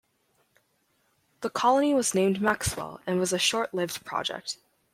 The colony was named 'Maxwell' and was a short-lived project.